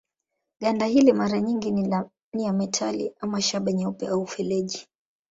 Ganda hili mara nyingi ni ya metali ama shaba nyeupe au feleji.